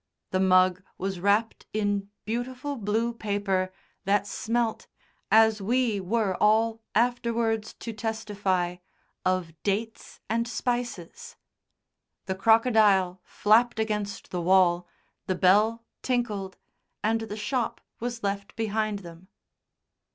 The mug was wrapped in beautiful blue paper that smelt, as we were all afterwards to testify, of dates and spices. The crocodile flapped against the wall, the bell tinkled, and the shop was left behind them.